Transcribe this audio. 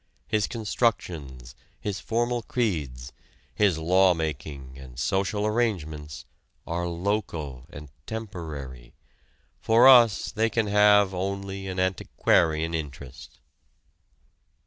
His constructions, his formal creeds, his law making and social arrangements are local and temporary for us they can have only an antiquarian interest.